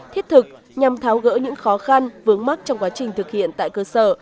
thiết thực nhằm tháo gỡ những khó khăn vướng mắt trong quá trình thực hiện tại cơ sở